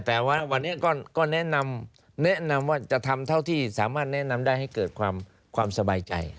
แต่ว่าวันนี้ก็แนะนำแนะนำว่าจะทำเท่าที่สามารถแนะนำได้ให้เกิดความสบายใจ